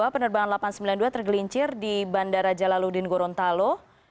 dua penerbangan delapan ratus sembilan puluh dua tergelincir di bandara jalaludin gorontalo